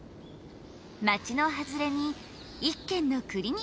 街の外れに一軒のクリニックがある。